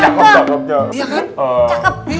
iya kan cakep